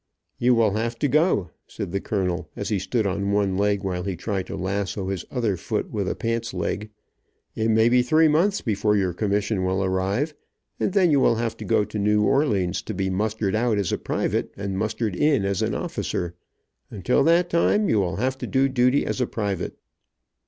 "You will have to go," said the colonel, as he stood on one leg while he tried to lasso his other foot with a pants leg. "It may be three months before your commission will arrive, and then you will have to go to New Orleans to be mustered out as a private and mustered in as an officer. Until that time you will have to do duty as a private."